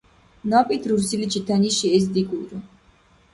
Наб ит рурсиличил тянишиэс дигулра.